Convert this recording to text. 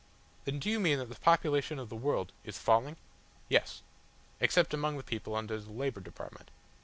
"Then do you mean that the population of the World ?" "Is falling? Yes. Except among the people under the Labour Department.